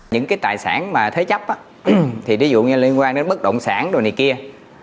những cái tài sản mà thế chấp thì ví dụ như liên quan đến bất động sản đồ này kia